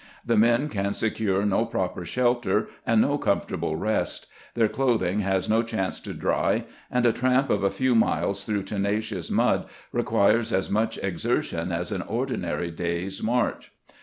The men can secure no proper shelter and no comfortable rest; their clothing has no chance to dry ; and a tramp of a few mUes through tenacious mud requires as much exertion as an ordinary day's march.